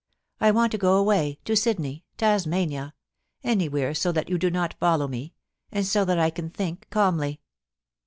I want to go away, to Sydney, Tasmania — anywhere so that you do not follow me, and so that I can think calmly.